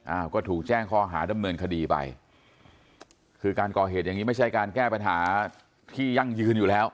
ก็ถูกแจ้งข้อหาดำเนินคดีไปคือการก่อเหตุอย่างงี้ไม่ใช่การแก้ปัญหาที่ยั่งยืนอยู่แล้ว